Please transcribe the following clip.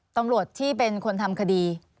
ตำรวจที่เป็นคนทำคดี